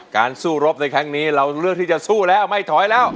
สู้รบในครั้งนี้เราเลือกที่จะสู้แล้วไม่ถอยแล้ว